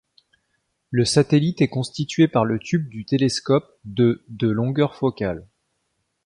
Le satellite est constitué par le tube du télescope de de longueur focale.